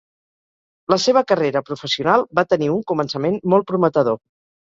La seva carrera professional va tenir un començament molt prometedor.